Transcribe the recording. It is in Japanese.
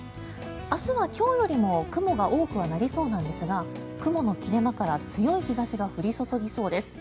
明日は今日よりも雲が多くはなりそうなんですが雲の切れ間から強い日差しが降り注ぎそうです。